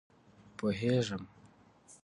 پوهېږم.